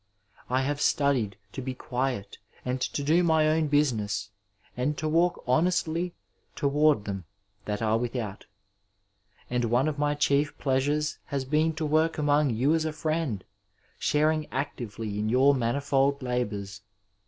I have studied to be quiet and to do my own business and to walk honestly toward them that are without ; and one of my chief pleasures has been to work among yon as a friend, sharing actively in your manifold labours.